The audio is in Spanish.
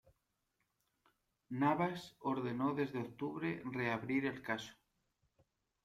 Navas ordenó desde octubre reabrir el caso.